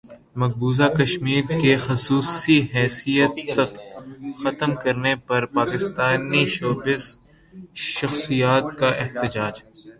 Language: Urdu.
مقبوضہ کشمیر کی خصوصی حیثیت ختم کرنے پر پاکستانی شوبز شخصیات کا احتجاج